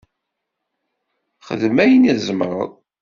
Xdem ayen i tzemreḍ.